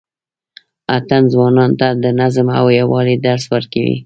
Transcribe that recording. اتڼ ځوانانو ته د نظم او یووالي درس ورکوي.